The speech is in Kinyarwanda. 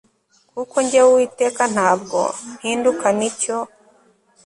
kuko jyewe uwiteka ntabwo mpinduka ni cyo